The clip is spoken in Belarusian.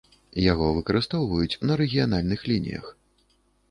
Яго выкарыстоўваюць на рэгіянальных лініях.